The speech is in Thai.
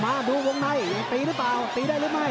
มาดูวงในอาจปีได้หรือเปล่า